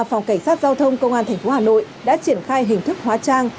phòng cảnh sát giao thông công an thành phố hà nội đã triển khai hình thức hóa trang